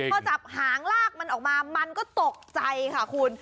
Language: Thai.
พอจับหางลากมันออกมามันก็ตกใจค่ะคุณ